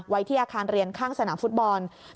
ไว้ที่อาคารเรียนข้างสนามฟุตบอล